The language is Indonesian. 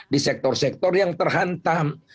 di sektor sektor yang terhantam